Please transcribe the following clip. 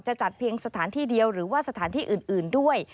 จัดเพียงสถานที่เดียวหรือว่าสถานที่อื่นด้วย